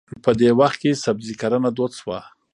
په دې وخت کې سبزي کرنه دود شوه.